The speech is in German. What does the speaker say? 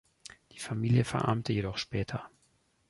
Die Familie verarmte jedoch später.